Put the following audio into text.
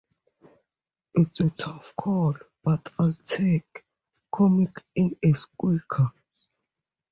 It's a tough call, but I'll take 'Comic' in a squeaker.